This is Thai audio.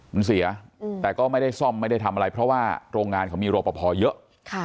มันเสียแต่ก็ไม่ได้ซ่อมไม่ได้ทำอะไรเพราะว่าโรงงานเขามีรอปภเยอะ